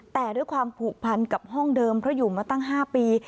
แต่ด้วยความผูกพันกับห้องเดิมเพราะอยู่มาตั้ง๕ปี